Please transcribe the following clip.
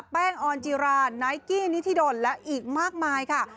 แป้งออนจิราไนกี้นิธิดลและอีกมากมายค่ะ